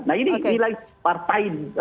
nah ini nilai partai